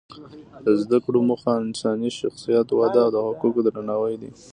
د زده کړو موخه انساني شخصیت وده او د حقوقو درناوی دی.